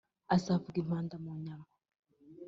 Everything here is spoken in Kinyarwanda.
azavuza impanda mu nyama),